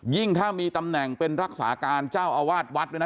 ถ้ามีตำแหน่งเป็นรักษาการเจ้าอาวาสวัดด้วยนะ